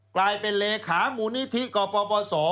กลายเป็นเลยค้ามูริธิกปบ